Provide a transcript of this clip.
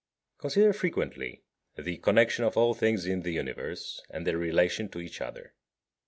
38. Consider frequently the connexion of all things in the Universe, and their relation to each other.